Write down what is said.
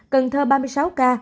cần thơ ba mươi sáu ca